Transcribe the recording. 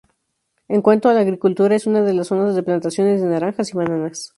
En cuanto a la agricultura, es una zona de plantaciones de naranjas y bananas.